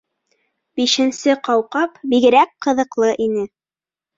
Бишенсе ҡауҡаб бигерәк ҡыҙыҡлы ине.